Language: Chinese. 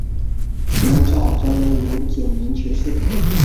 先赵宗儒九年去世。